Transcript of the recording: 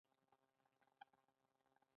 ښتې د افغانستان د انرژۍ سکتور برخه ده.